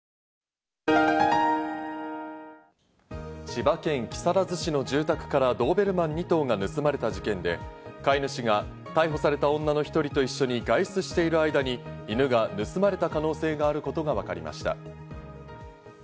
千葉県木更津市の住宅からドーベルマン２頭が盗まれた事件で、飼い主が逮捕された女の１人と一緒に外出している間に犬が盗まれた可能性があることがわかりました。